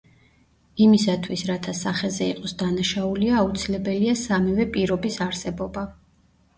იმისათვის, რათა სახეზე იყოს დანაშაულია, აუცილებელია სამივე პირობის არსებობა.